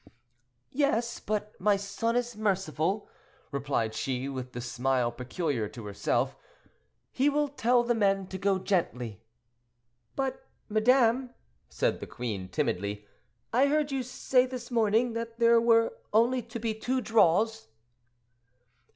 "Yes, but my son is merciful," replied she, with the smile peculiar to herself, "and he will tell the men to go gently." "But, madame," said the queen timidly, "I heard you say this morning that there were only to be two draws?"